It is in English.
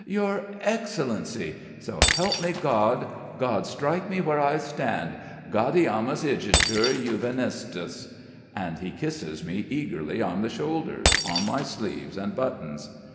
"Your Excellency! So help me God! God strike me where I stand! Gaudeamus igitur juvenestus." And he kisses me eagerly on the shoulders, on my sleeves, and buttons.